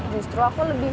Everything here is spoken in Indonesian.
justru aku lebih